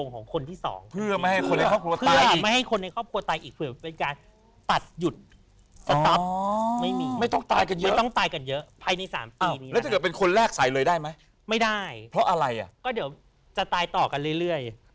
ก็เดี๋ยวจะตายต่อกันเรื่อย